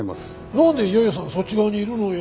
なんでよよさんそっち側にいるのよ？